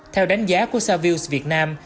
theo đánh giá của savills việt nam